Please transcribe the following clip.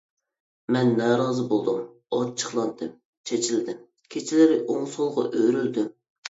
مەن نارازى بولدۇم، ئاچچىقلاندىم، چېچىلدىم، كېچىلىرى ئوڭ-سولغا ئۆرۈلدۈم.